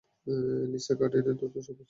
Lisa Curtis দ্রুত সভাস্থল ত্যাগ করেন।